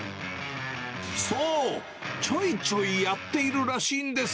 そう、ちょいちょいやっているらしいんです。